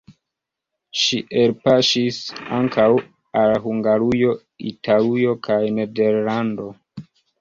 Ŝi elpaŝis ankaŭ al Hungarujo, Italujo kaj Nederlando.